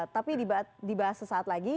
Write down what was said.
tapi dibahas sesaat lagi